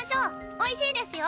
おいしいですよ。